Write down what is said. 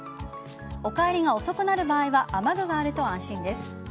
お帰りが遅くなる場合は雨具があると安心です。